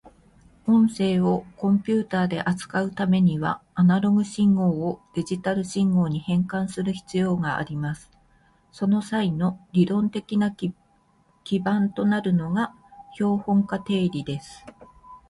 音声をコンピュータで扱うためには、アナログ信号をデジタル信号に変換する必要があります。その際の理論的な基盤となるのが標本化定理です。